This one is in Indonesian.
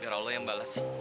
biar allah yang balas